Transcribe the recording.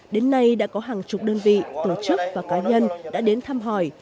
đến nay đã có hàng chục đơn vị tổ chức và cá nhân đã đến thăm hỏi